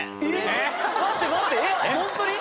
えっ待って待ってえっホントに？